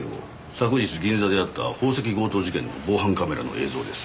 昨日銀座であった宝石強盗事件の防犯カメラの映像です。